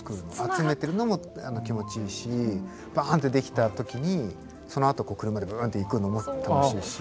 集めてるのも気持ちいいしバーンって出来た時にそのあと車でブーンって行くのも楽しいし。